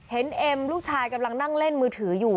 เอ็มลูกชายกำลังนั่งเล่นมือถืออยู่